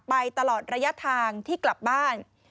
ไปตลอดระยะทางที่กลับบ้าน